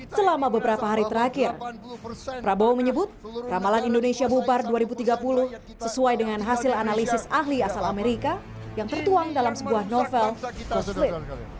selama beberapa hari terakhir prabowo menyebut ramalan indonesia bubar dua ribu tiga puluh sesuai dengan hasil analisis ahli asal amerika yang tertuang dalam sebuah novel costle